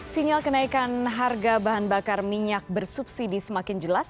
sinyal kenaikan harga bahan bakar minyak bersubsidi semakin jelas